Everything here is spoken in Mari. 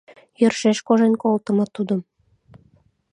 Йӧршеш кожен колтымо тудым.